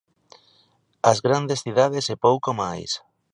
As grandes cidades e pouco máis.